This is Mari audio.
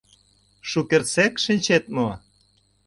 Шукертсек шинчет мо?